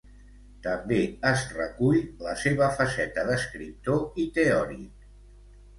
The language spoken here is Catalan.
També es recull la seva faceta d'escriptor i teòric.